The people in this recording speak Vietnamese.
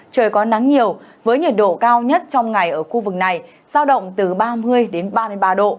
trời có nắng nhiều với nhiệt độ cao nhất trong ngày ở khu vực này sao động từ ba mươi đến ba mươi ba độ